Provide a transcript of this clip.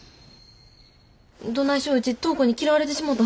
どないしようち灯子に嫌われてしもた。